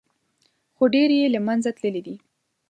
خو ډېر یې له منځه تللي دي.